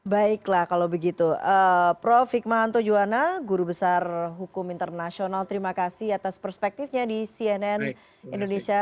baiklah kalau begitu prof hikmahanto juwana guru besar hukum internasional terima kasih atas perspektifnya di cnn indonesia